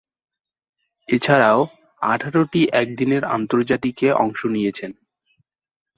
এছাড়াও, আঠারোটি একদিনের আন্তর্জাতিকে অংশ নিয়েছেন।